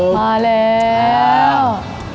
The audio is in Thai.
มาแล้ว